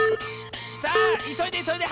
さあいそいでいそいで！